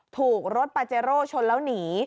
ถูกรถปาเจโร่ชนแล้วหนี